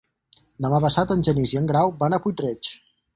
Demà passat en Genís i en Grau van a Puig-reig.